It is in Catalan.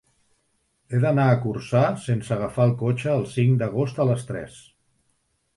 He d'anar a Corçà sense agafar el cotxe el cinc d'agost a les tres.